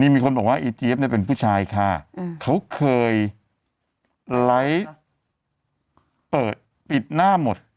มีคนบอกว่าอีเจี๊ยบเนี่ยเป็นผู้ชายค่ะเขาเคยไลฟ์เปิดปิดหน้าหมด